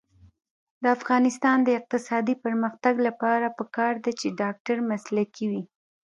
د افغانستان د اقتصادي پرمختګ لپاره پکار ده چې ډاکټر مسلکي وي.